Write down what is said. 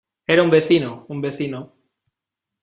era un vecino... un vecino .